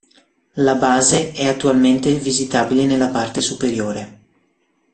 La base è attualmente visitabile nella parte superiore.